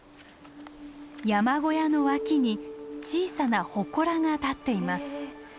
山小屋の脇に小さなほこらが立っています。